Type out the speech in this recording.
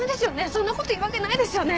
そんなこと言うわけないですよね。